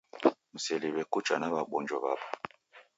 Mseliw'e kucha na w'abonjo w'apo.